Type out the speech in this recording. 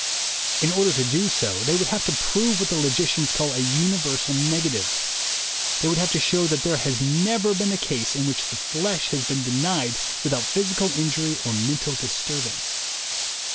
In order to do so, they would have to prove what the logicians call a universal negative. They would have to show that there has never been a case in which the flesh has been denied without physical injury or mental disturbance.